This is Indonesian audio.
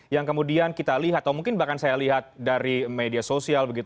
yang kemudian kita lihat atau mungkin bahkan saya lihat dari media sosial